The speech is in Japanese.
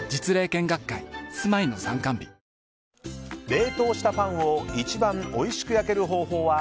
冷凍したパンを一番おいしく焼ける方法は。